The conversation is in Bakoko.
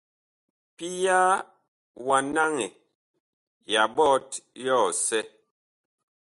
Pia wa naŋɛ ya ɓɔt yɔsɛ.